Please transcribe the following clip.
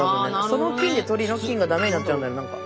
その菌で鳥の菌が駄目になっちゃうんだよ何か。